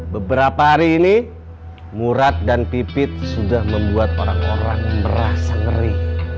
beberapa hari ini murad dan pipit sudah membuat orang orang merasa ngeri